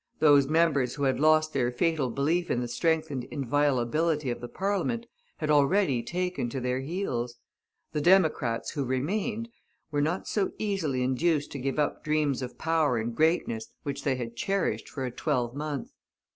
Those members who had lost their fatal belief in the strength and inviolability of the Parliament had already taken to their heels; the Democrats who remained, were not so easily induced to give up dreams of power and greatness which they had cherished for a twelvemonth.